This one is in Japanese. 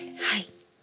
はい。